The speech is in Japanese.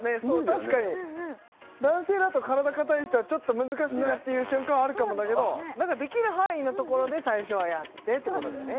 確かに男性だと体硬い人はちょっと難しいなっていう瞬間はあるかもだけどできる範囲のところで最初はやってってことだね